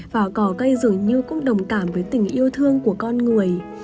và cỏ cây dường như cũng đồng cảm với tình yêu thương của con người